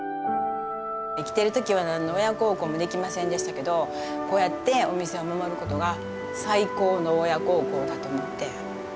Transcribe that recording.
生きてる時は何の親孝行もできませんでしたけどこうやってお店を守ることが最高の親孝行だと思って。